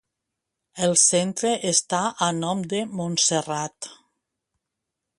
El centre està a nom de Montserrat.